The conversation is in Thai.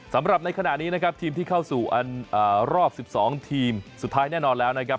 สำหรับในขณะนี้นะครับทีมที่เข้าสู่รอบ๑๒ทีมสุดท้ายแน่นอนแล้วนะครับ